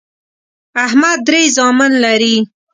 احمد درې زامن لري